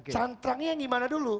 cantrangnya yang gimana dulu